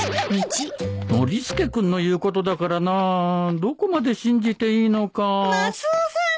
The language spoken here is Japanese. ノリスケ君の言うことだからなどこまで信じていいのか・マスオさん助けて！